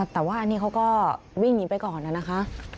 แต่ว่าอันนี้เขาก็วิ่งหนีไปก่อนนะคะ